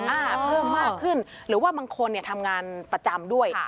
เพิ่มมากขึ้นหรือว่าบางคนเนี่ยทำงานประจำด้วย